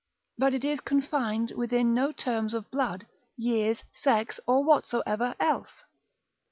But it is confined within no terms of blood, years, sex, or whatsoever else.